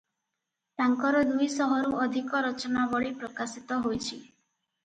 ତାଙ୍କର ଦୁଇଶହରୁ ଅଧିକ ରଚନାବଳୀ ପ୍ରକାଶିତ ହୋଇଛି ।